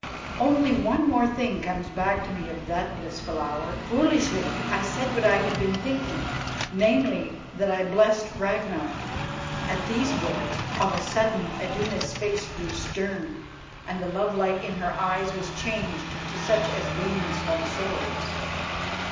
Only one more thing comes back to me of that blissful hour. Foolishly I said what I had been thinking, namely, that I blessed Ragnar. At these words, of a sudden Iduna's face grew stern and the lovelight in her eyes was changed to such as gleams from swords.